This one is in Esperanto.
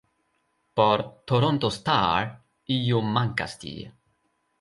Por "Toronto Star", ""Io mankas tie.